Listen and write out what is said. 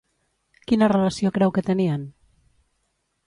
Quina relació creu que tenien?